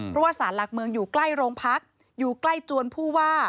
เพราะว่าสารหลักเมืองอยู่ใกล้โรงพักอยู่ใกล้จวนผู้ว่า